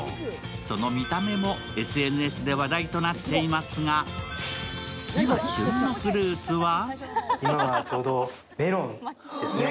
その見た目もＳＮＳで話題となっていますが、今、旬のフルーツは？